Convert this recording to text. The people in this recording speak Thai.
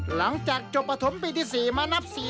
หลังจากจบปฐมปีที่๔มานับ๔